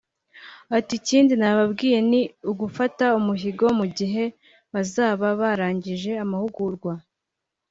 Ati "Ikindi nababwiye ni ugufata umuhigo mu gihe bazaba barangije amahugurwa